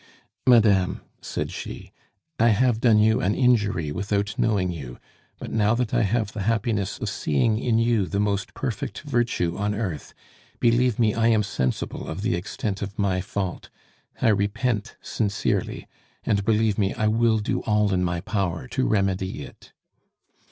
"Madame," said she, "I have done you an injury without knowing you; but, now that I have the happiness of seeing in you the most perfect virtue on earth, believe me I am sensible of the extent of my fault; I repent sincerely, and believe me, I will do all in my power to remedy it!"